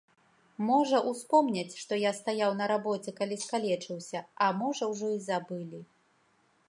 Можа, успомняць, што я стаяў на рабоце, калі скалечыўся, а можа, ужо і забылі.